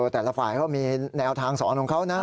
แต่ละฝ่ายเขามีแนวทางสอนของเขานะ